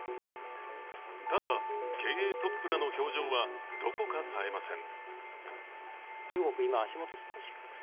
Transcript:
ただ、経営トップらの表情はどこかさえません。